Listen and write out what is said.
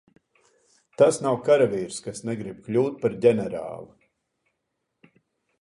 Tas nav karavīrs, kas negrib kļūt par ģenerāli.